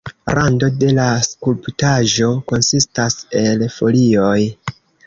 Rando de la skulptaĵo konsistas el folioj.